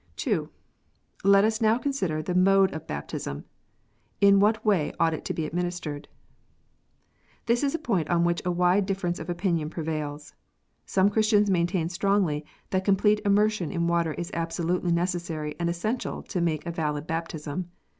Let us now consider the mode of Baptism. In ichat way ought it to be administered ? This is a point on which a wide difference of opinion prevails. Some Christians maintain strongly that complete immersion in water is absolutely necessary and essential to make a valid baptism.